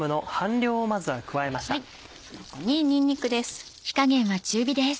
そこににんにくです。